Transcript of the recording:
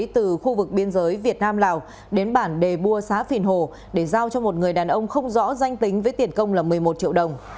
từ khu vực biên giới việt nam lào đến bản đề bua xã phìn hồ để giao cho một người đàn ông không rõ danh tính với tiền công là một mươi một triệu đồng